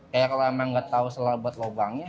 kayak kalau emang nggak tau selabat lubangnya